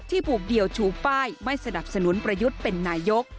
ผูกเดี่ยวชูป้ายไม่สนับสนุนประยุทธ์เป็นนายก